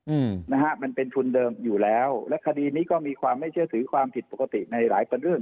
อืมนะฮะมันเป็นทุนเดิมอยู่แล้วและคดีนี้ก็มีความไม่เชื่อถือความผิดปกติในหลายประเด็น